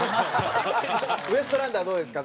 ウエストランドはどうですか？